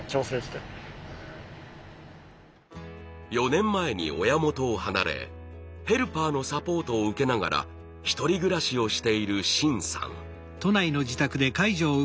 ４年前に親元を離れヘルパーのサポートを受けながら１人暮らしをしている愼さん。